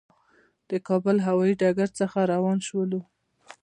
د کابل له هوایي ډګر څخه روان شولو.